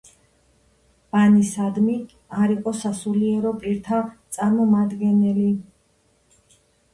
ბანისადრი არ იყო სასულიერო პირთა წარმომადგენელი.